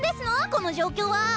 この状況は！